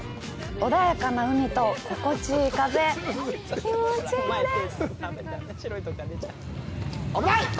穏やかな海と心地いい風、気持ちいいです！